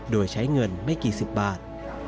โดยใช้เงินไม่กี่สิบบาท